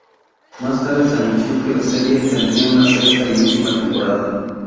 Más tarde se anunció que la serie tendría una sexta y última temporada.